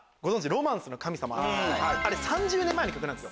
『ロマンスの神様』あれ３０年前の曲なんですよ。